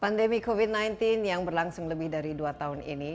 pandemi covid sembilan belas yang berlangsung lebih dari dua tahun ini